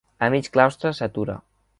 A mig claustre s'atura.